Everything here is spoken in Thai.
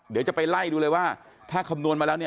เดี๋ยวจะไปไล่ดูเลยว่าถ้าคำนวณมาแล้ว